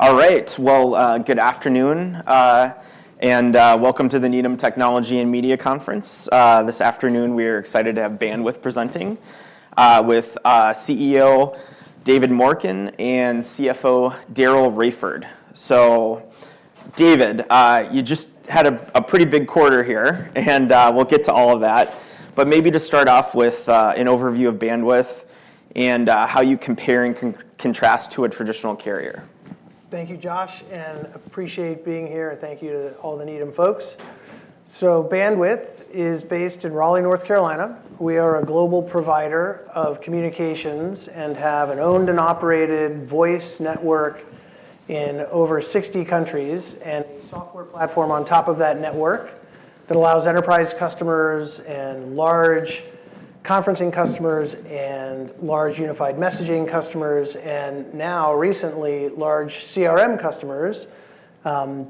Good afternoon, and welcome to the Needham Technology and Media Conference. This afternoon we're excited to have Bandwidth presenting with CEO David Morken and CFO Daryl Raiford. David, you just had a pretty big quarter here, and we'll get to all of that. Just start off with an overview of Bandwidth and how you compare and contrast to a traditional carrier. Thank you, Josh, and appreciate being here, and thank you to all the Needham folks. Bandwidth is based in Raleigh, North Carolina. We are a global provider of communications and have an owned and operated voice network in over 60 countries, and a software platform on top of that network that allows enterprise customers and large conferencing customers and large unified messaging customers, and now recently, large CRM customers,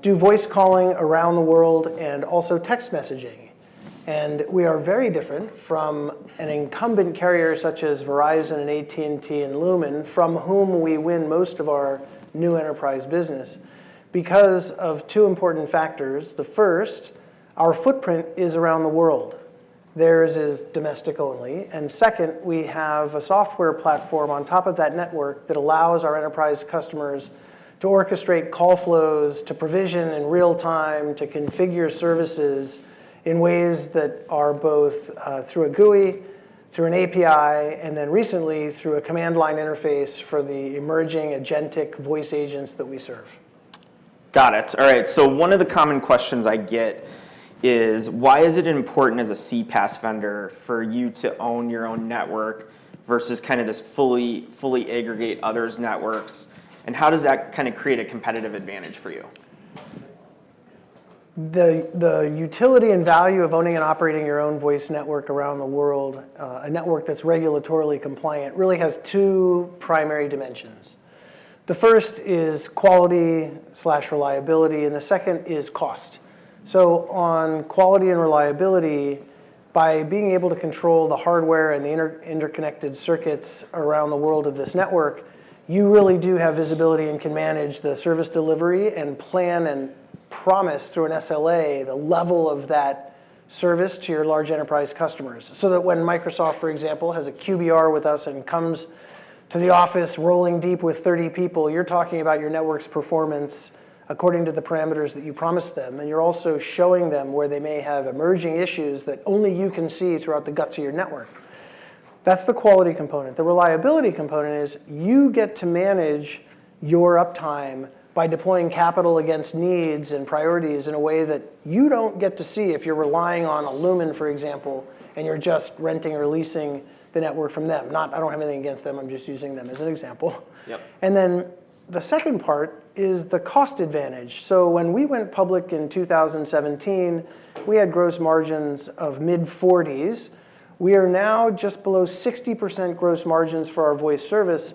do voice calling around the world and also text messaging. We are very different from an incumbent carrier such as Verizon and AT&T and Lumen, from whom we win most of our new enterprise business, because of two important factors. The first, our footprint is around the world. Theirs is domestic only. Second, we have a software platform on top of that network that allows our enterprise customers to orchestrate call flows, to provision in real time, to configure services in ways that are both, through a GUI, through an API, and then recently, through a command line interface for the emerging agentic voice agents that we serve. Got it. Alright. One of the common questions I get is why is it important as a CPaaS vendor for you to own your own network versus kind of this fully aggregate others' networks, and how does that kind of create a competitive advantage for you? The utility and value of owning and operating your own voice network around the world, a network that's regulatorily compliant, really has two primary dimensions. The first is quality/reliability. The second is cost. On quality and reliability, by being able to control the hardware and the interconnected circuits around the world of this network, you really do have visibility and can manage the service delivery and plan and promise through an SLA the level of that service to your large enterprise customers. When Microsoft, for example, has a QBR with us and comes to the office rolling deep with 30 people, you're talking about your network's performance according to the parameters that you promised them, and you're also showing them where they may have emerging issues that only you can see throughout the guts of your network. That's the quality component. The reliability component is you get to manage your uptime by deploying capital against needs and priorities in a way that you don't get to see if you're relying on a Lumen, for example, and you're just renting or leasing the network from them. Not, I don't have anything against them, I'm just using them as an example. The second part is the cost advantage. When we went public in 2017, we had gross margins of mid-40s. We are now just below 60% gross margins for our voice service,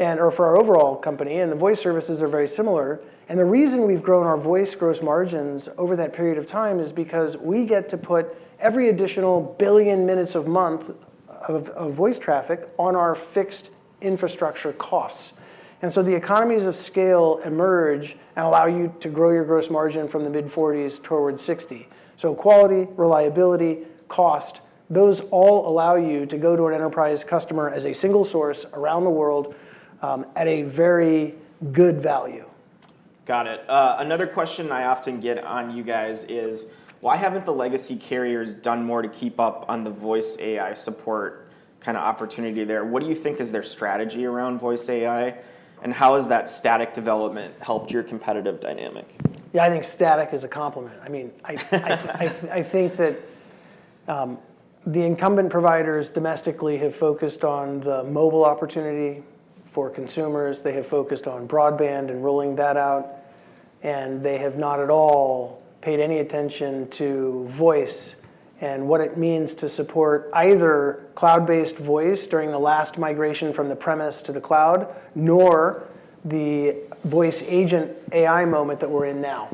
or for our overall company, and the voice services are very similar. The reason we've grown our voice gross margins over that period of time is because we get to put every additional 1 billion minutes of month of voice traffic on our fixed infrastructure costs. The economies of scale emerge and allow you to grow your gross margin from the mid-40s toward 60%. Quality, reliability, cost, those all allow you to go to an enterprise customer as a single source around the world at a very good value. Got it. Another question I often get on you guys is why haven't the legacy carriers done more to keep up on the voice AI support kind of opportunity there? What do you think is their strategy around voice AI, and how has that static development helped your competitive dynamic? Yeah, static is a compliment. That the incumbent providers domestically have focused on the mobile opportunity for consumers. They have focused on broadband and rolling that out, they have not at all paid any attention to voice and what it means to support either cloud-based voice during the last migration from the premise to the cloud, nor the voice agent AI moment that we're in now.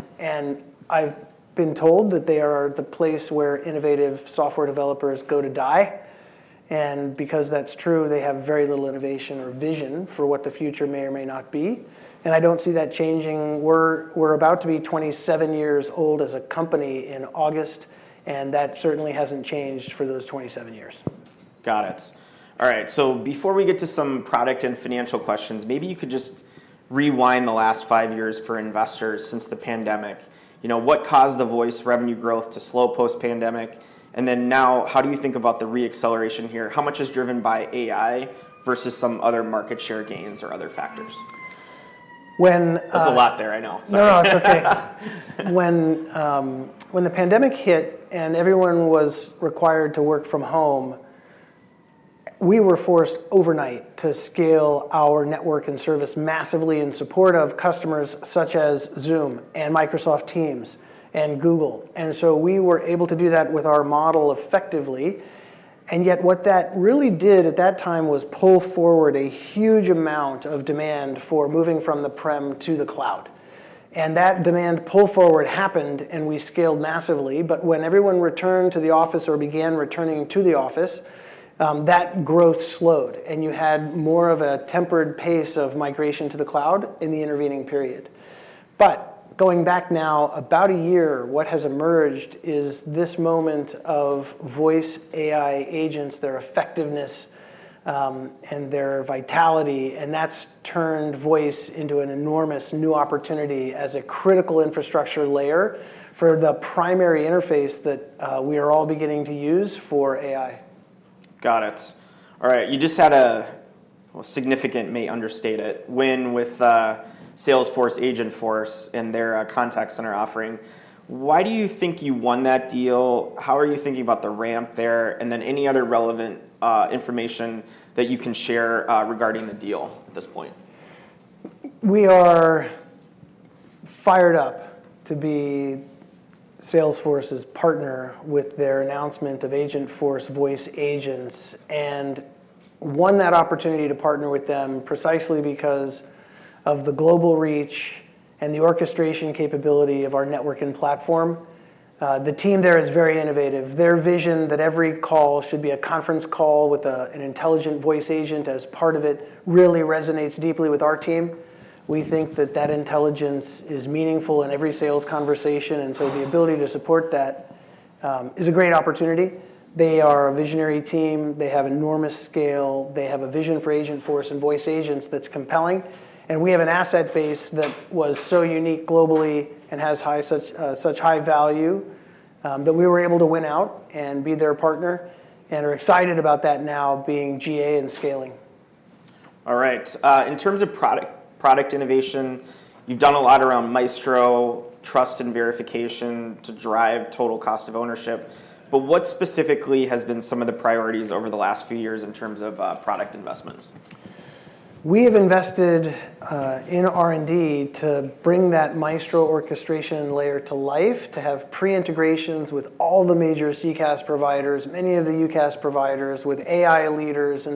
I've been told that they are the place where innovative software developers go to die, and because that's true, they have very little innovation or vision for what the future may or may not be. I don't see that changing. We're about to be 27 years old as a company in August, and that certainly hasn't changed for those 27 years. Got it. Alright. Before we get to some product and financial questions, maybe you could just rewind the last five years for investors since the pandemic. You know, what caused the voice revenue growth to slow post-pandemic? Now, how do you think about the re-acceleration here? How much is driven by AI versus some other market share gains or other factors? That's a lot there, I know. No, it's okay. When the pandemic hit and everyone was required to work from home, we were forced overnight to scale our network and service massively in support of customers such as Zoom and Microsoft Teams and Google. We were able to do that with our model effectively, and yet what that really did at that time was pull forward a huge amount of demand for moving from the prem to the cloud. That demand pull forward happened and we scaled massively. When everyone returned to the office or began returning to the office, that growth slowed, and you had more of a tempered pace of migration to the cloud in the intervening period. Going back now about a year, what has emerged is this moment of voice AI agents, their effectiveness, and their vitality, and that's turned voice into an enormous new opportunity as a critical infrastructure layer for the primary interface that we are all beginning to use for AI. Got it. Alright, you just had a significant may understate it, win with Salesforce Agentforce in their contact center offering. Why do you think you won that deal? How are you thinking about the ramp there? Then any other relevant information that you can share regarding the deal at this point? We are fired up to be Salesforce's partner with their announcement of Agentforce Voice Agents, and won that opportunity to partner with them precisely because of the global reach and the orchestration capability of our network and platform. The team there is very innovative. Their vision that every call should be a conference call with an intelligent voice agent as part of it really resonates deeply with our team. We think that that intelligence is meaningful in every sales conversation, and so the ability to support that is a great opportunity. They are a visionary team. They have enormous scale. They have a vision for Agentforce and Voice Agents that's compelling, and we have an asset base that was so unique globally and has high such high value that we were able to win out and be their partner and are excited about that now being GA and scaling. Alright. In terms of product innovation, you've done a lot around Maestro, trust and verification to drive total cost of ownership, but what specifically has been some of the priorities over the last few years in terms of product investments? We have invested in R&D to bring that Maestro orchestration layer to life, to have pre-integrations with all the major CCaaS providers, many of the UCaaS providers, with AI leaders,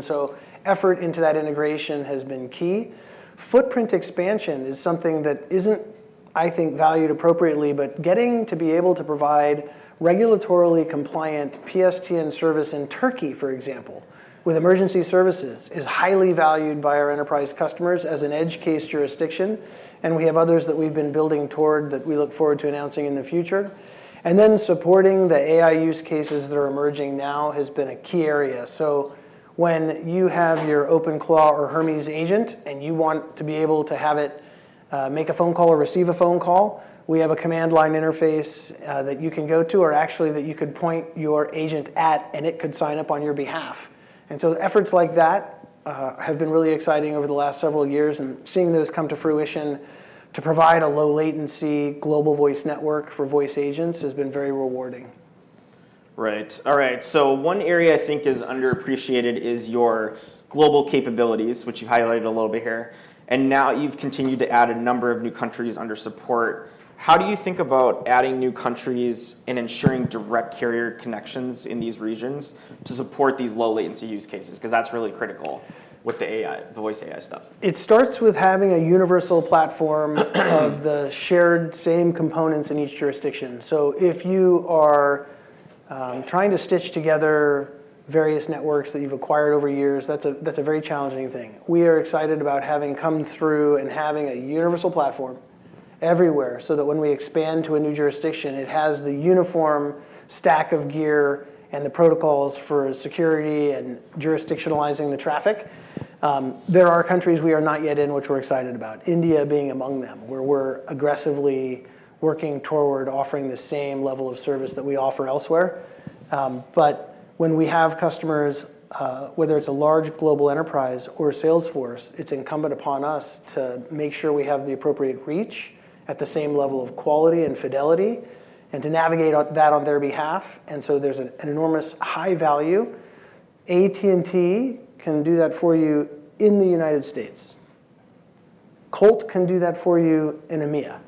effort into that integration has been key. Footprint expansion is something that isn't valued appropriately, but getting to be able to provide regulatorily compliant PSTN service in Turkey, for example, with emergency services, is highly valued by our enterprise customers as an edge case jurisdiction, we have others that we've been building toward that we look forward to announcing in the future. Supporting the AI use cases that are emerging now has been a key area. When you have your OpenClaw or Hermes agent and you want to be able to have it, make a phone call or receive a phone call, we have a command line interface that you can go to or actually that you could point your agent at and it could sign up on your behalf. Efforts like that have been really exciting over the last several years, and seeing those come to fruition to provide a low latency global voice network for voice agents has been very rewarding. Right. One area is underappreciated is your global capabilities, which you highlighted a little bit here, and now you've continued to add a number of new countries under support. How do you think about adding new countries and ensuring direct carrier connections in these regions to support these low latency use cases? 'Cause that's really critical with the AI, the voice AI stuff. It starts with having a universal platform of the shared same components in each jurisdiction. If you are trying to stitch together various networks that you've acquired over years, that's a very challenging thing. We are excited about having come through and having a universal platform everywhere so that when we expand to a new jurisdiction, it has the uniform stack of gear and the protocols for security and jurisdictionalizing the traffic. There are countries we are not yet in which we're excited about, India being among them, where we're aggressively working toward offering the same level of service that we offer elsewhere. When we have customers, whether it's a large global enterprise or Salesforce, it's incumbent upon us to make sure we have the appropriate reach at the same level of quality and fidelity and to navigate that on their behalf. There's an enormous high value. AT&T can do that for you in the United States. Colt can do that for you in EMEA.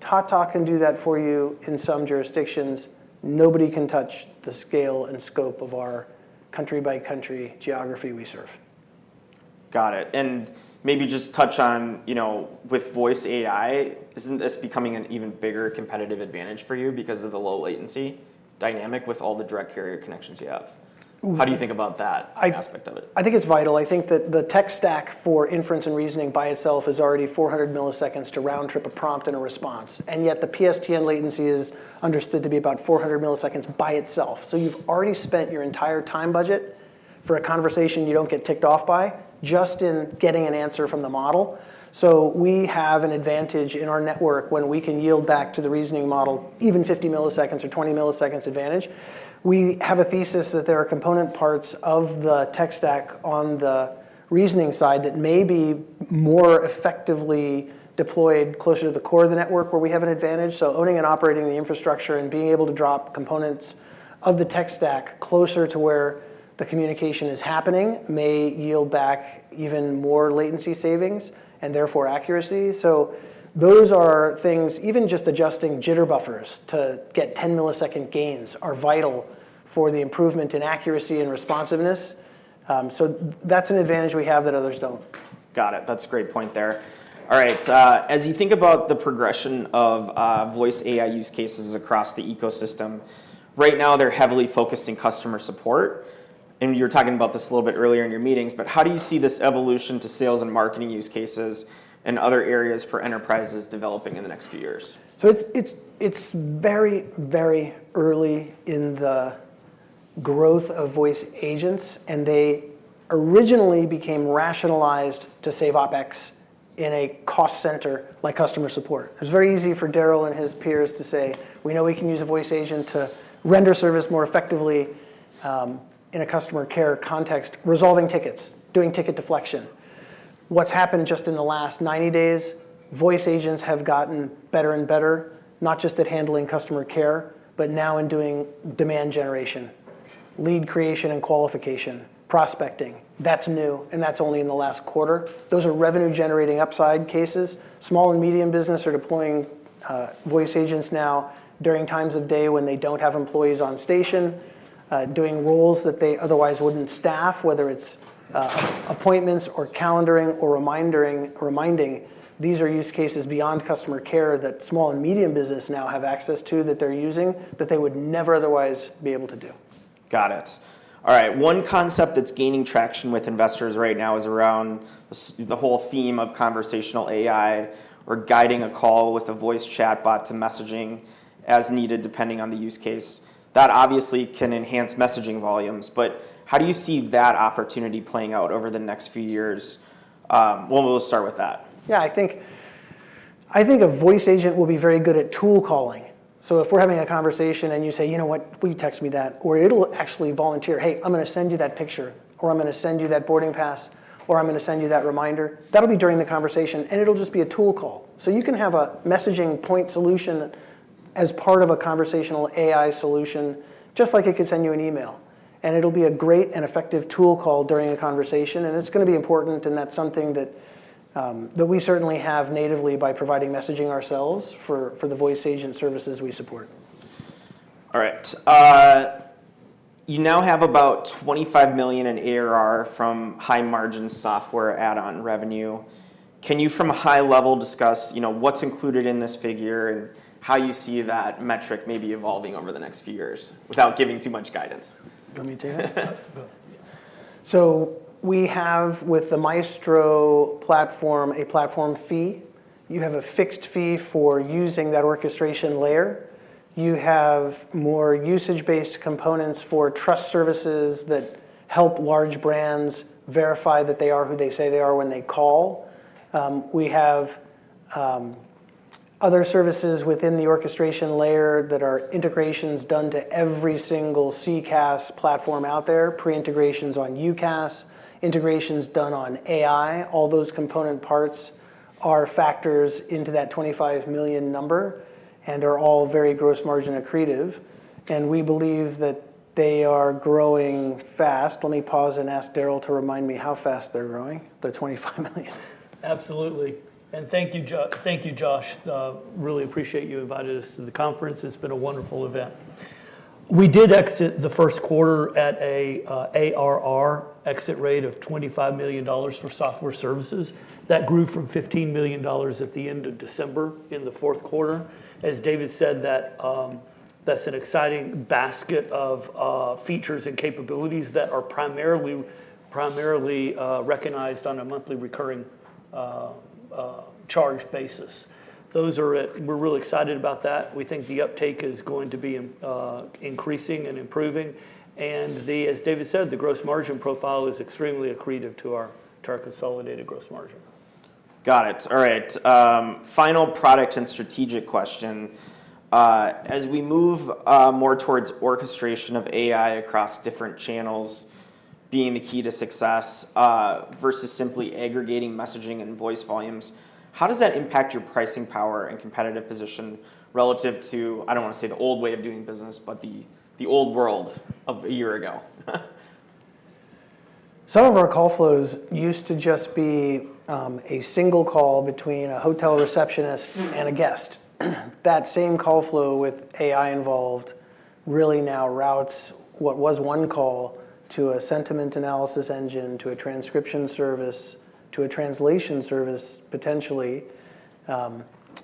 Tata can do that for you in some jurisdictions. Nobody can touch the scale and scope of our country by country geography we serve. Got it. Maybe just touch on, you know, with voice AI, isn't this becoming an even bigger competitive advantage for you because of the low latency dynamic with all the direct carrier connections you have? How do you think about that aspect of it? It's vital. That the tech stack for inference and reasoning by itself is already 400 milliseconds to round-trip a prompt and a response, and yet the PSTN latency is understood to be about 400 milliseconds by itself. You've already spent your entire time budget for a conversation you don't get ticked off by just in getting an answer from the model. We have an advantage in our network when we can yield back to the reasoning model even 50 milliseconds or 20 milliseconds advantage. We have a thesis that there are component parts of the tech stack on the reasoning side that may be more effectively deployed closer to the core of the network where we have an advantage. Owning and operating the infrastructure and being able to drop components of the tech stack closer to where the communication is happening may yield back even more latency savings, and therefore accuracy. Those are things, even just adjusting jitter buffers to get 10 millisecond gains are vital for the improvement in accuracy and responsiveness. That's an advantage we have that others don't. Got it. That's a great point there. Alright, as you think about the progression of voice AI use cases across the ecosystem, right now they're heavily focused in customer support, and you were talking about this a little bit earlier in your meetings, but how do you see this evolution to sales and marketing use cases and other areas for enterprises developing in the next few years? It's very early in the growth of voice agents, and they originally became rationalized to save OpEx in a cost center like customer support. It was very easy for Daryl and his peers to say, "We know we can use a voice agent to render service more effectively, in a customer care context, resolving tickets, doing ticket deflection." What's happened just in the last 90 days, voice agents have gotten better and better, not just at handling customer care, but now in doing demand generation, lead creation and qualification, prospecting. That's new, and that's only in the last quarter. Those are revenue-generating upside cases. Small and medium business are deploying voice agents now during times of day when they don't have employees on station, doing roles that they otherwise wouldn't staff, whether it's appointments or calendaring or reminding. These are use cases beyond customer care that small and medium business now have access to that they're using that they would never otherwise be able to do. Got it. Alright, one concept that's gaining traction with investors right now is around the whole theme of conversational AI or guiding a call with a voice chat bot to messaging as needed, depending on the use case. How do you see that opportunity playing out over the next few years? We'll start with that. Yeah, a voice agent will be very good at tool calling. If we're having a conversation and you say, "You know what? Will you text me that?" It'll actually volunteer, "Hey, I'm gonna send you that picture," or, "I'm gonna send you that boarding pass," or, "I'm gonna send you that reminder." That'll be during the conversation, and it'll just be a tool call. You can have a messaging point solution as part of a conversational AI solution, just like it can send you an email, and it'll be a great and effective tool call during a conversation, and it's gonna be important, and that's something that we certainly have natively by providing messaging ourselves for the voice agent services we support. Alright. You now have about $25 million in ARR from high margin software add-on revenue. Can you from a high level discuss, you know, what's included in this figure and how you see that metric maybe evolving over the next few years, without giving too much guidance? You want me to take that? Go. We have, with the Maestro platform, a platform fee. You have a fixed fee for using that orchestration layer. You have more usage-based components for trust services that help large brands verify that they are who they say they are when they call. We have other services within the orchestration layer that are integrations done to every single CCaaS platform out there, pre-integrations on UCaaS, integrations done on AI. All those component parts are factors into that $25 million number and are all very gross margin accretive, and we believe that they are growing fast. Let me pause and ask Daryl to remind me how fast they're growing, the $25 million. Absolutely. Thank you, Josh. Really appreciate you invited us to the conference. It's been a wonderful event. We did exit the Q1 at a ARR exit rate of $25 million for software services. That grew from $15 million at the end of December in the fourth quarter. As David said, that's an exciting basket of features and capabilities that are primarily recognized on a monthly recurring charge basis. Those are it. We're real excited about that. We think the uptake is going to be increasing and improving, and as David said, the gross margin profile is extremely accretive to our consolidated gross margin. Got it. Alright, final product and strategic question. As we move more towards orchestration of AI across different channels being the key to success, versus simply aggregating messaging and voice volumes, how does that impact your pricing power and competitive position relative to, I don't want to say the old way of doing business, but the old world of a year ago? Some of our call flows used to just be a single call between a hotel receptionist and a guest. That same call flow with AI involved really now routes what was one call to a sentiment analysis engine, to a transcription service, to a translation service potentially,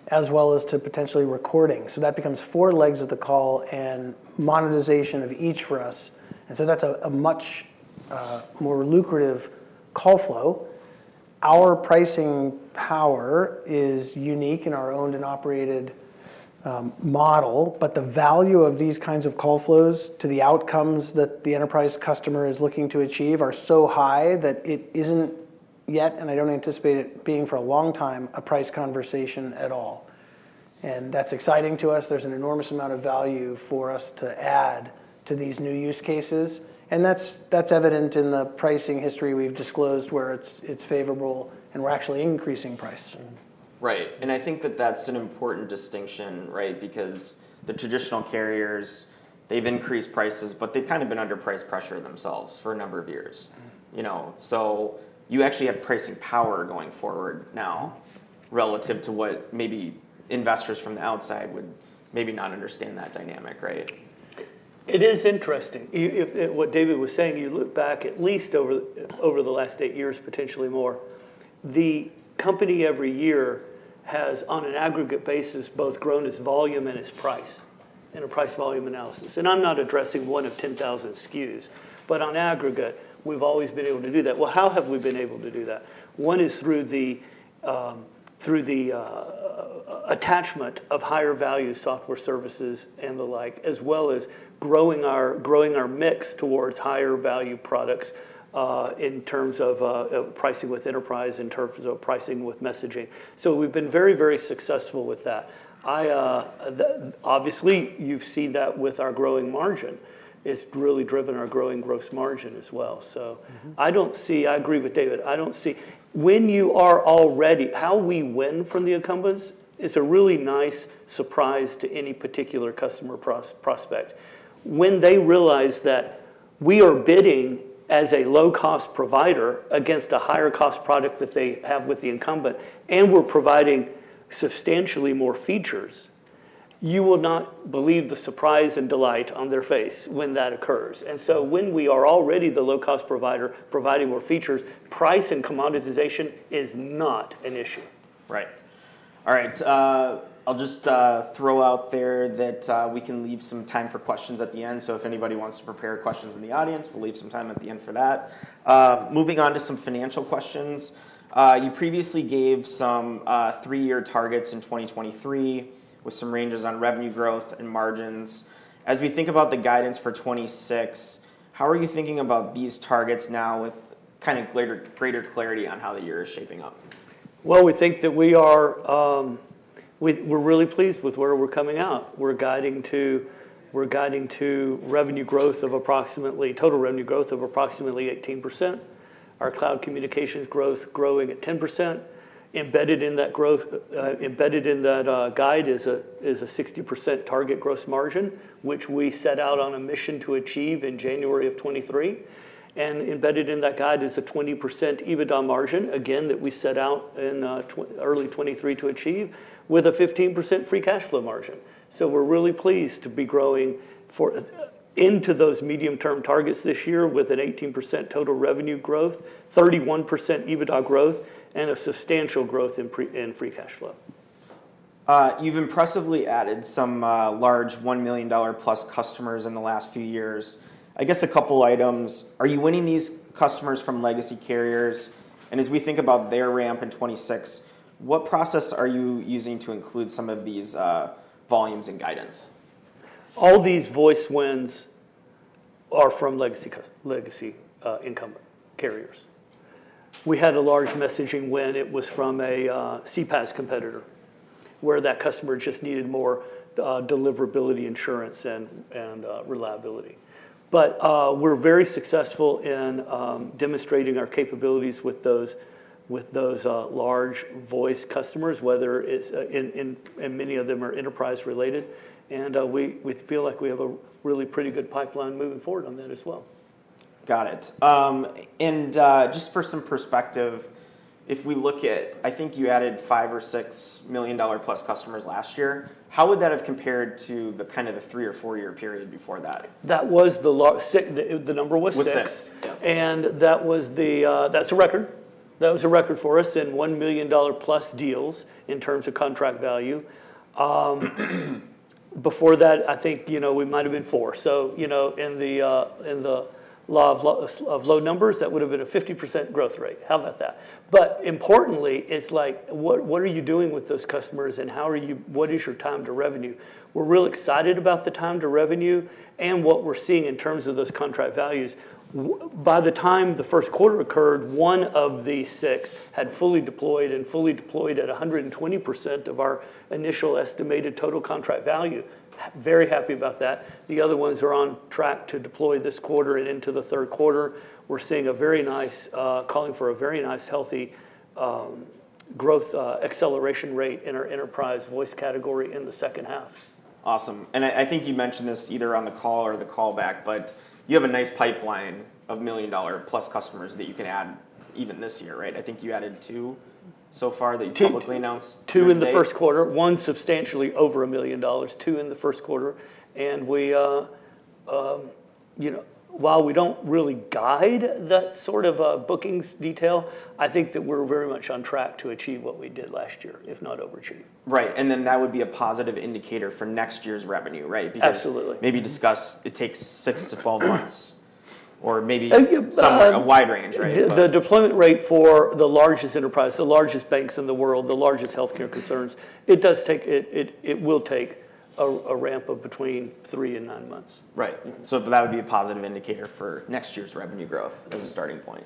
as well as to potentially recording. That becomes four legs of the call and monetization of each for us, that's a much more lucrative call flow. Our pricing power is unique in our owned and operated model, but the value of these kinds of call flows to the outcomes that the enterprise customer is looking to achieve are so high that it isn't yet, and I don't anticipate it being for a long time, a price conversation at all. That's exciting to us. There's an enormous amount of value for us to add to these new use cases. That's evident in the pricing history we've disclosed where it's favorable, and we're actually increasing price. Right, that's an important distinction, right? Because the traditional carriers, they've increased prices, but they've kind of been under price pressure themselves for a number of years. You know, you actually have pricing power going forward now relative to what maybe investors from the outside would maybe not understand that dynamic, right? It is interesting. If what David was saying, you look back at least over the last eight years, potentially more, the company every year has, on an aggregate basis, both grown its volume and its price in a price volume analysis. I'm not addressing one of 10,000 SKUs, but on aggregate, we've always been able to do that. How have we been able to do that? One is through the attachment of higher value software services and the like, as well as growing our mix towards higher value products, in terms of pricing with Enterprise, in terms of pricing with messaging. We've been very successful with that. I Obviously you've seen that with our growing margin. It's really driven our growing gross margin as well. I agree with David. When you are already How we win from the incumbents is a really nice surprise to any particular customer prospect. When they realize that we are bidding as a low-cost provider against a higher cost product that they have with the incumbent, and we're providing substantially more features, you will not believe the surprise and delight on their face when that occurs. When we are already the low-cost provider providing more features, price and commoditization is not an issue. Right. Alright. I'll just throw out there that we can leave some time for questions at the end, so if anybody wants to prepare questions in the audience, we'll leave some time at the end for that. Moving on to some financial questions, you previously gave some 3-year targets in 2023 with some ranges on revenue growth and margins. As we think about the guidance for 2026, how are you thinking about these targets now with kind of greater clarity on how the year is shaping up? We think that we're really pleased with where we're coming out. We're guiding to revenue growth of approximately, total revenue growth of approximately 18%. Our Cloud Communications growth growing at 10%. Embedded in that growth, embedded in that guide is a 60% target gross margin, which we set out on a mission to achieve in January of 2023. Embedded in that guide is a 20% EBITDA margin, again, that we set out in early 2023 to achieve, with a 15% free cash flow margin. We're really pleased to be growing for, into those medium term targets this year with an 18% total revenue growth, 31% EBITDA growth, and a substantial growth in free cash flow. You've impressively added some, large $1 million plus customers in the last few years. I guess a couple items. Are you winning these customers from legacy carriers? As we think about their ramp in 2026, what process are you using to include some of these, volumes and guidance? All these voice wins are from legacy incumbent carriers. We had a large messaging win. It was from a CPaaS competitor, where that customer just needed more deliverability insurance and reliability. We're very successful in demonstrating our capabilities with those large voice customers, whether it's in and many of them are enterprise related. We feel like we have a really pretty good pipeline moving forward on that as well. Got it. Just for some perspective, if we look at, you added 5 or 6 million-dollar plus customers last year. How would that have compared to the kind of the three or four year period before that? That was the six. The number was six. Was six. That was the, that's a record. That was a record for us in $1 million plus deals in terms of contract value. Before that we might've been 4. You know, in the law of low numbers, that would've been a 50% growth rate. How about that? Importantly, it's like, what are you doing with those customers and what is your time to revenue? We're real excited about the time to revenue and what we're seeing in terms of those contract values. By the time the Q1 occurred, one of the six had fully deployed, and fully deployed at 120% of our initial estimated total contract value. Very happy about that. The other ones are on track to deploy this quarter and into the third quarter. We're seeing a very nice, calling for a very nice, healthy, growth, acceleration rate in our Enterprise Voice category in the second half. Awesome. You mentioned this either on the call or the call back, but you have a nice pipeline of million-dollar plus customers that you can add even this year, right? You added two so far that you publicly announced during the day. Two in the Q1. One substantially over $1 million. Two in the Q1. We, you know, while we don't really guide that bookings detail, that we're very much on track to achieve what we did last year, if not overachieve. Right. That would be a positive indicator for next year's revenue, right? Absolutely. Maybe discuss, it takes 6 to 12 months. A wide range, right? The deployment rate for the largest enterprise, the largest banks in the world, the largest healthcare concerns, it does take, it will take a ramp of between three and nine months. Right. That would be a positive indicator for next year's revenue growth as a starting point.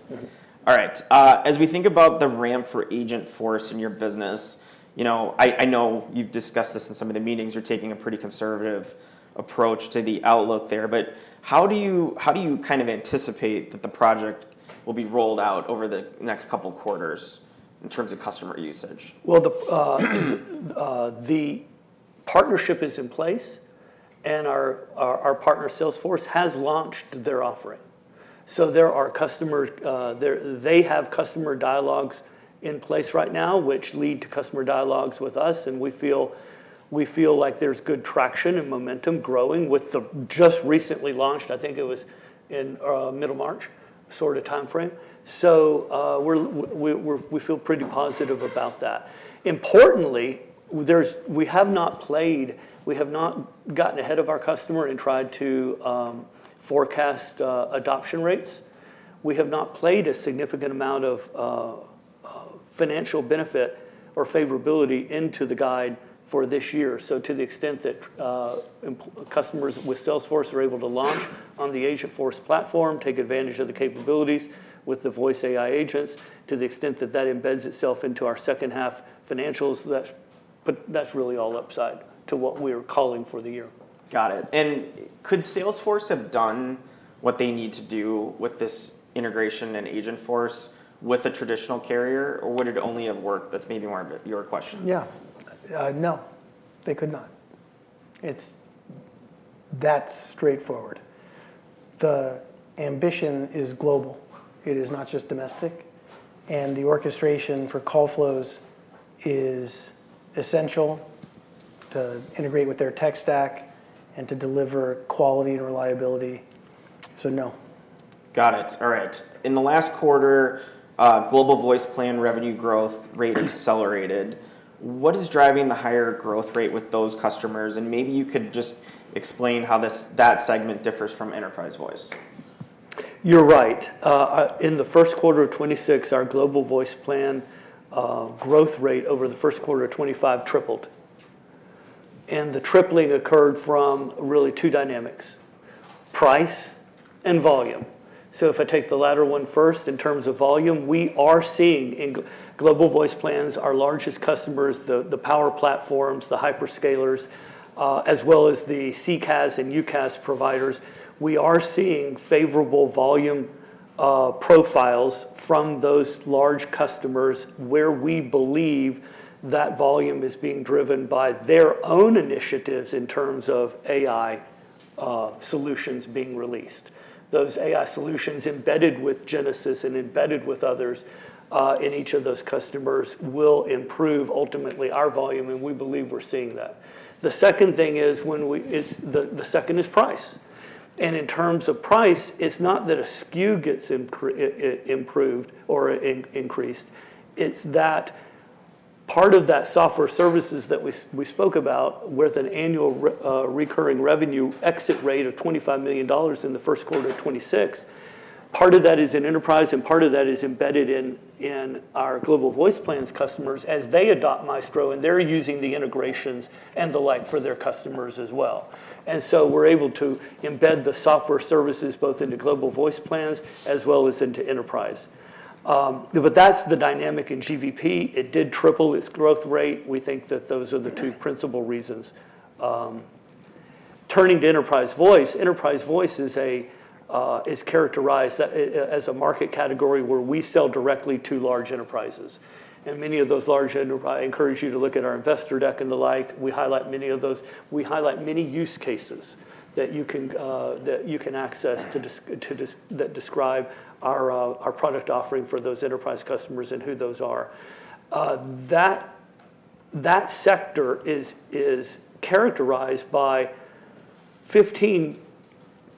Alright. As we think about the ramp for Agentforce in your business, you know, I know you've discussed this in some of the meetings. You're taking a pretty conservative approach to the outlook there, how do you kind of anticipate that the project will be rolled out over the next couple quarters in terms of customer usage? The partnership is in place and our partner, Salesforce, has launched their offering. They have customer dialogues in place right now which lead to customer dialogues with us, and we feel like there's good traction and momentum growing with the just recently launched, it was in middle March timeframe. We feel pretty positive about that. Importantly, we have not played, we have not gotten ahead of our customer and tried to forecast adoption rates. We have not played a significant amount of financial benefit or favorability into the guide for this year. To the extent that customers with Salesforce are able to launch on the Agentforce platform, take advantage of the capabilities with the voice AI agents to the extent that that embeds itself into our second half financials, that's really all upside to what we're calling for the year. Got it. Could Salesforce have done what they need to do with this integration and Agentforce with a traditional carrier, or would it only have worked? That's maybe more of a your question. Yeah. No, they could not. It's that straightforward. The ambition is global. It is not just domestic, and the orchestration for call flows is essential to integrate with their tech stack and to deliver quality and reliability, so no. Got it. Alright. In the last quarter, Global Voice Plans revenue growth rate accelerated. What is driving the higher growth rate with those customers? Maybe you could just explain how this, that segment differs from Enterprise Voice. You're right. In the Q1 of 2026, our Global Voice Plans growth rate over the Q1 of 2025 tripled. The tripling occurred from really two dynamics: price and volume. If I take the latter one first, in terms of volume, we are seeing in Global Voice Plans, our largest customers, the power platforms, the hyperscalers, as well as the CCaaS and UCaaS providers, we are seeing favorable volume profiles from those large customers where we believe that volume is being driven by their own initiatives in terms of AI solutions being released. Those AI solutions embedded with Genesys and embedded with others in each of those customers will improve ultimately our volume. We believe we're seeing that. The 2nd thing is price. In terms of price, it's not that a SKU gets improved or increased, it's that part of that software services that we spoke about with an annual recurring revenue exit rate of $25 million in the Q1 of 2026, part of that is in Enterprise Voice and part of that is embedded in our Global Voice Plans customers as they adopt Maestro, and they're using the integrations and the like for their customers as well. We're able to embed the software services both into Global Voice Plans as well as into Enterprise Voice. That's the dynamic in GVP. It did triple its growth rate. We think that those are the two principal reasons. Turning to Enterprise Voice, Enterprise Voice is characterized as a market category where we sell directly to large enterprises. I encourage you to look at our investor deck and the like. We highlight many of those. We highlight many use cases that you can access to describe our product offering for those enterprise customers and who those are. That sector is characterized by 15%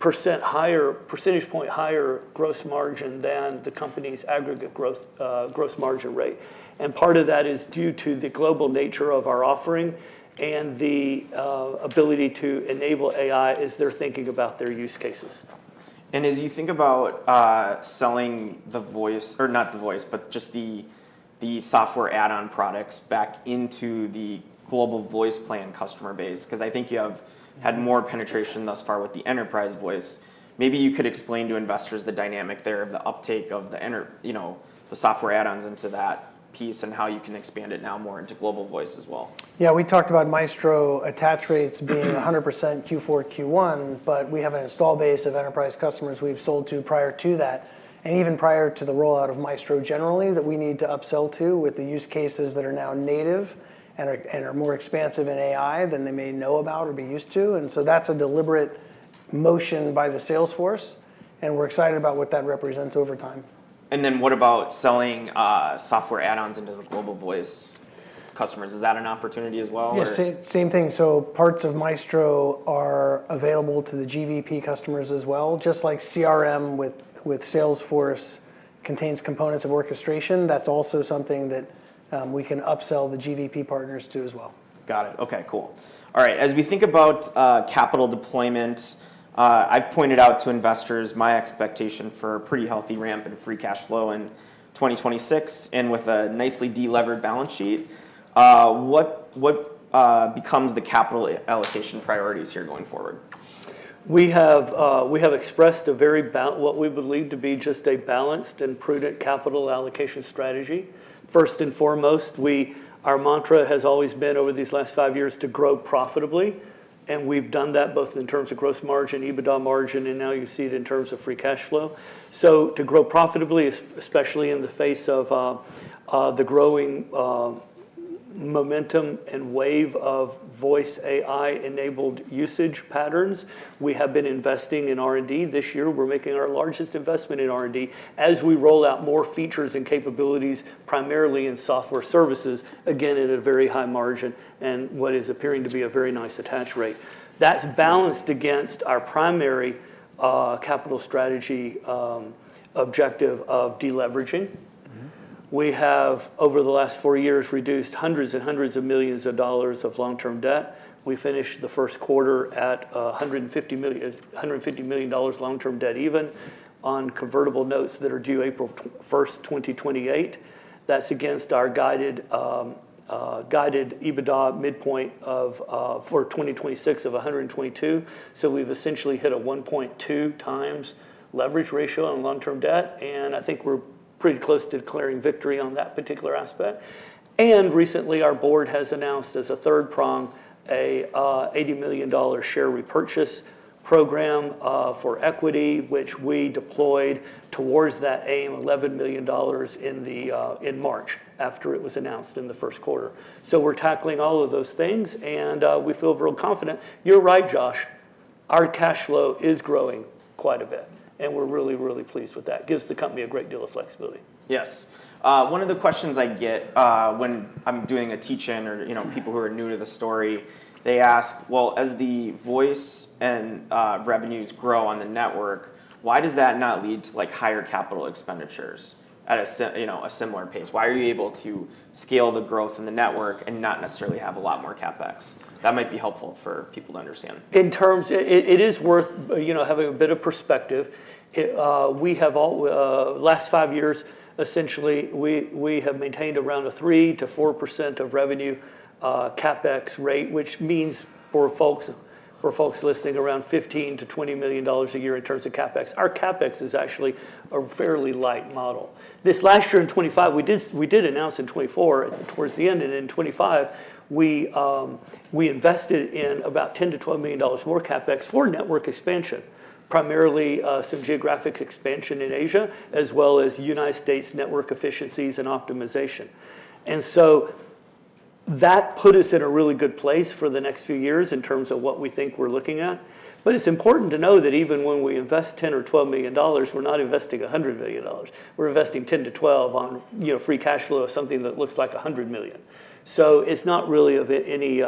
higher, percentage point higher gross margin than the company's aggregate growth, gross margin rate. Part of that is due to the global nature of our offering and the ability to enable AI as they're thinking about their use cases. As you think about, selling the voice Or not the voice, but just the software add-on products back into the Global Voice Plan customer base, because you have had more penetration thus far with the Enterprise Voice. Maybe you could explain to investors the dynamic there of the uptake of the you know, the software add-ons into that piece and how you can expand it now more into Global Voice as well. Yeah, we talked about Maestro attach rates being 100% Q4, Q1, but we have an install base of enterprise customers we've sold to prior to that, and even prior to the rollout of Maestro generally, that we need to upsell to with the use cases that are now native and are, and are more expansive in AI than they may know about or be used to. That's a deliberate motion by the sales force, and we're excited about what that represents over time. What about selling, software add-ons into the Global Voice customers? Is that an opportunity as well? Yeah, same thing. Parts of Maestro are available to the GVP customers as well, just like CRM with Salesforce contains components of orchestration. That's also something that we can upsell the GVP partners to as well. Got it. Okay, cool. Alright, as we think about capital deployment, I've pointed out to investors my expectation for a pretty healthy ramp in free cash flow in 2026 and with a nicely de-levered balance sheet. What becomes the capital allocation priorities here going forward? We have, we have expressed a very what we believe to be just a balanced and prudent capital allocation strategy. First and foremost, we, our mantra has always been, over these last five years, to grow profitably, and we've done that both in terms of gross margin, EBITDA margin, and now you see it in terms of free cash flow. To grow profitably, especially in the face of the growing Momentum and wave of voice AI-enabled usage patterns. We have been investing in R&D. This year we're making our largest investment in R&D as we roll out more features and capabilities, primarily in software services, again, at a very high margin and what is appearing to be a very nice attach rate. That's balanced against our primary capital strategy, objective of de-leveraging. We have, over the last four years, reduced hundreds and hundreds of millions of dollars of long-term debt. We finished the 1st quarter at $150 million long-term debt even on convertible notes that are due April 1st, 2028. That's against our guided EBITDA midpoint for 2026 of $122 million. We've essentially hit a 1.2 times leverage ratio on long-term debt. We're pretty close to declaring victory on that particular aspect. Recently our board has announced, as a third prong, a $80 million share repurchase program for equity, which we deployed towards that aim $11 million in March, after it was announced in the 1st quarter. We're tackling all of those things. We feel real confident. You're right, Josh, our cash flow is growing quite a bit, and we're really, really pleased with that. It gives the company a great deal of flexibility. Yes. one of the questions I get, when I'm doing a teach-in or people who are new to the story, they ask, "As the voice and revenues grow on the network, why does that not lead to, like, higher capital expenditures at a similar pace? Why are you able to scale the growth in the network and not necessarily have a lot more CapEx?" That might be helpful for people to understand. In terms, it is worth, you know, having a bit of perspective. It, we have all, last five years essentially, we have maintained around a 3%-4% of revenue, CapEx rate, which means for folks listening, around $15 million-$20 million a year in terms of CapEx. Our CapEx is actually a fairly light model. This last year in 2025, we did announce in 2024 towards the end, and in 2025 we invested in about $10 million-$12 million more CapEx for network expansion, primarily, some geographic expansion in Asia, as well as United States network efficiencies and optimization. That put us in a really good place for the next few years in terms of what we think we're looking at. It's important to know that even when we invest $10 million or $12 million, we're not investing $100 million. We're investing $10 million to $12 million on, you know, free cash flow of something that looks like $100 million. It's not really of any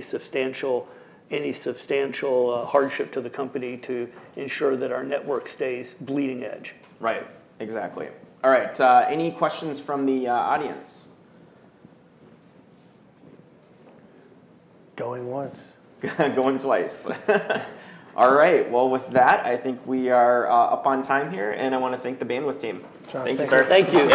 substantial hardship to the company to ensure that our network stays bleeding edge. Right. Exactly. Alright, any questions from the audience? Going once. Going twice. Alright. With that, we are up on time here. I wanna thank the Bandwidth team. Joshua, thank you. Thank you, sir.